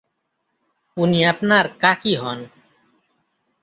উনি আপনার কাকি হন।